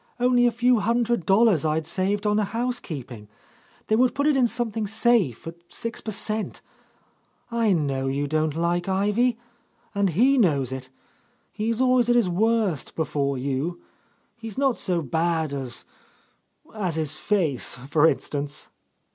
Only a few hundred dollars I'd saved on the housekeeping. They would put it into something safe, at six per cent. I know you don't like Ivy, — and he knows it! He's always at his worst before you. He's not so bad as — as his face, for instance!"